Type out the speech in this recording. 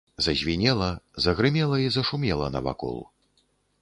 Зазвінела, загрымела і зашумела навакол.